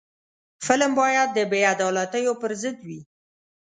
فلم باید د بې عدالتیو پر ضد وي